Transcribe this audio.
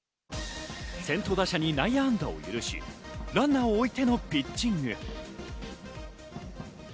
先頭打者に内野安打を許し、ランナーを置いてのピッチング。